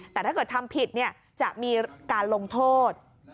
แต่ถ้าเกิดทำผิดจะมีการลงโทษ